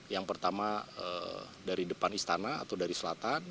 yang pertama dari depan istana atau dari selatan